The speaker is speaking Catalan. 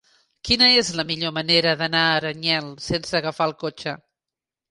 Quina és la millor manera d'anar a Aranyel sense agafar el cotxe?